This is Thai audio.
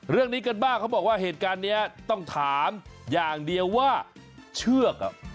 เรื่องนี้กันบ้างเขาบอกว่าเหตุการณ์เนี้ยต้องถามอย่างเดียวว่าเชือกอ่ะ